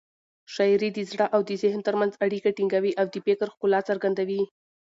شاعري د زړه او ذهن تر منځ اړیکه ټینګوي او د فکر ښکلا څرګندوي.